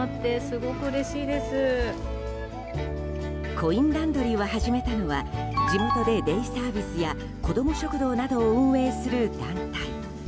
コインランドリーを始めたのは地元でデイサービスや子ども食堂などを運営する団体。